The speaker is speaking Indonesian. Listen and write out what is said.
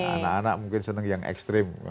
anak anak mungkin senang yang ekstrim